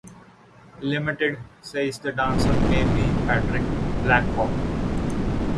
Limited, says the dancer may be Patrick Blackall.